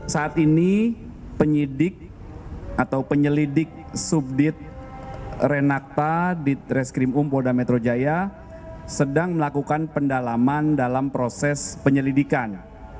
saat ini penyidik atau penyelidik subdit renakta di treskrim umpolda metro jaya sedang melakukan pendalaman dalam proses penyelidikan